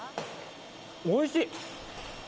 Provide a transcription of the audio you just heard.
おいしい。